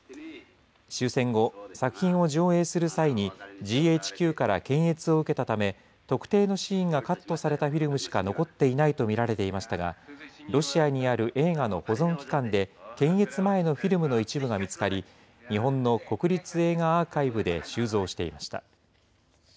終戦後、作品を上映する際に、ＧＨＱから検閲を受けたため、特定のシーンがカットされたフィルムしか残っていないと見られていましたが、ロシアにある映画の保存期間で、検閲前のフィルムの一部が見つかり、日本の国立映画アーカイブで収蔵していました。